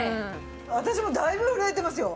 私もだいぶ震えてますよ。